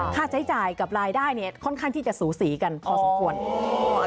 ค่าใช้จ่ายกับรายได้เนี่ยค่อนข้างที่จะสูสีกันพอสมควร